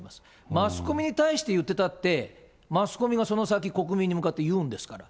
マスコミに対して言ってたって、マスコミがその先、国民に向かって言うんですから。